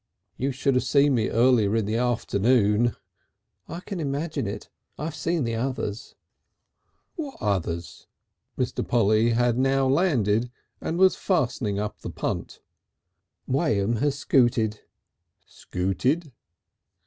"You should have seen me early in the afternoon." "I can imagine it.... I've seen the others." "What others?" Mr. Polly had landed now and was fastening up the punt. "What Uncle Jim has scooted." "Scooted?"